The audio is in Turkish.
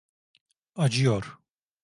Acıyor.